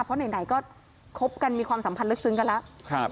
เพราะไหนก็คบกันมีความสัมพันธ์ลึกซึ้งกันแล้ว